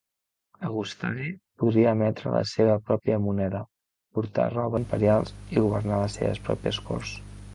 Augustae podia emetre la seva pròpia moneda, portar robes imperials i governar les seves pròpies corts.